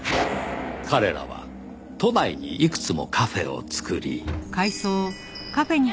彼らは都内にいくつもカフェを作り。